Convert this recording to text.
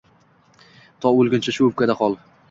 To o’lguncha shu o’lkada qol.